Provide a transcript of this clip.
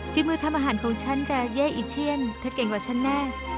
ฝีมือทำอาหารของฉันจะเย่อีเชียนเธอเก่งกว่าฉันแน่